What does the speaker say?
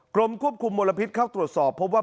กรมควบคุมมลพิษเข้าตรวจสอบพบว่า